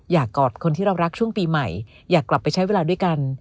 กอดคนที่เรารักช่วงปีใหม่อยากกลับไปใช้เวลาด้วยกัน